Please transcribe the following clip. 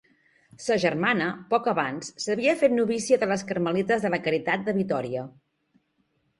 Sa germana, poc abans, s'havia fet novícia de les Carmelites de la Caritat de Vitòria.